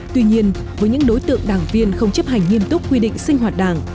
tuy nhiên với những đối tượng đảng viên không chấp hành nghiêm túc quy định sinh hoạt đảng